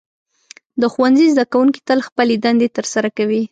د ښوونځي زده کوونکي تل خپلې دندې ترسره کوي.